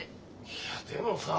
いやでもさ。